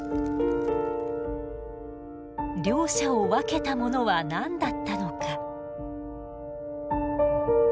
両者を分けたものは何だったのか？